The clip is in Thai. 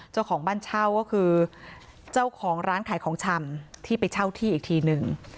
เจ้าของบ้านเช่าก็คือเจ้าของร้านขายของชำที่ไปเช่าที่อีกทีหนึ่ง